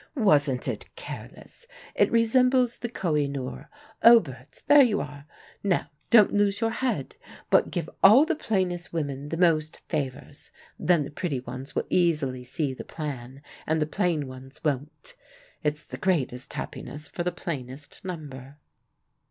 Wasn't it careless? It resembles the Koh i noor. Oh, Berts, there you are. Now don't lose your head, but give all the plainest women the most favors. Then the pretty ones will easily see the plan, and the plain ones won't. It's the greatest happiness for the plainest number."